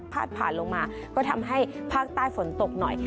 ผ่านลงมาก็ทำให้ภาคใต้ฝนตกหน่อย